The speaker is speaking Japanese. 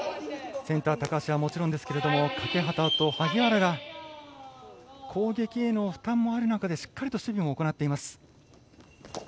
センター高橋はもちろんですけど欠端と萩原が攻撃への負担もある中でしっかりと守備も行っています。